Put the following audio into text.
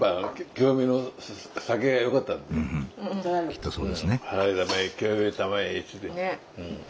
きっとそうですね。